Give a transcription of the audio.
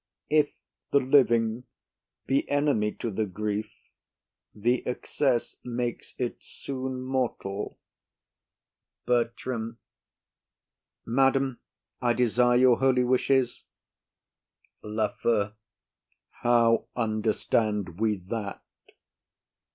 If the living be enemy to the grief, the excess makes it soon mortal. BERTRAM. Madam, I desire your holy wishes. LAFEW. How understand we that?